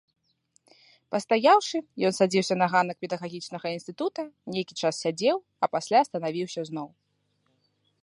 Пастаяўшы, ён садзіўся на ганак педагагічнага інстытута, нейкі час сядзеў, а пасля станавіўся зноў.